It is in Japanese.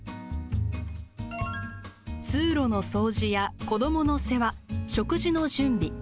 通路の掃除や子どもの世話食事の準備。